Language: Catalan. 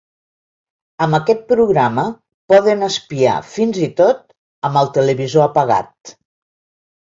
Amb aquest programa poden espiar fins i tot amb el televisor apagat.